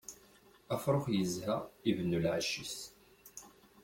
Afrux yezha, ibennu lɛecc-is.